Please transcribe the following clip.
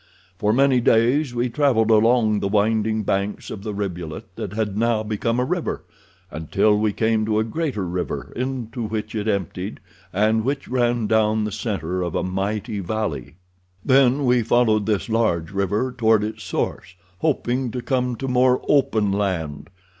For many days we traveled along the winding banks of the rivulet that had now become a river, until we came to a greater river, into which it emptied, and which ran down the center of a mighty valley. "Then we followed this large river toward its source, hoping to come to more open land.